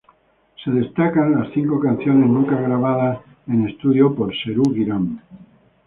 Se destacan las cinco canciones nunca grabadas en estudio por Serú Girán.